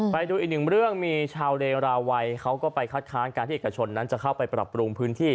ไปดูอีกหนึ่งเรื่องมีชาวเลราวัยเขาก็ไปคัดค้านการที่เอกชนนั้นจะเข้าไปปรับปรุงพื้นที่